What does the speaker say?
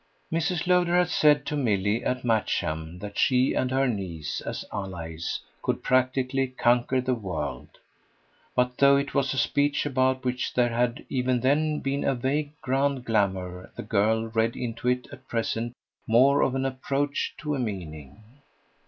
Mrs. Lowder had said to Milly at Matcham that she and her niece, as allies, could practically conquer the world; but though it was a speech about which there had even then been a vague grand glamour the girl read into it at present more of an approach to a meaning.